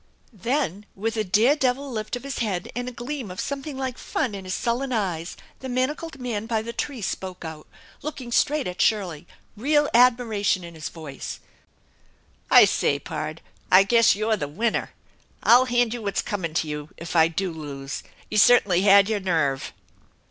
Then, with a dare devil lift of his head and a gleam of something like fun in his sullen eyes, the manacled man by the tree spoke out, looking straight at Shirley, real admiration in his voice :" I say, pard ! I guess you're the winner ! I'll hand you what's comin' to you if I do lose. You certainly had your nerve